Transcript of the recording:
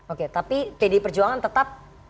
oke tapi pdi perjuangan tetap